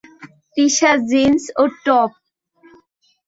তিসা jeans ও top.